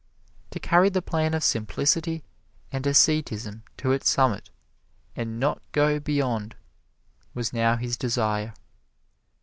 To carry the plan of simplicity and asceticism to its summit and not go beyond was now his desire.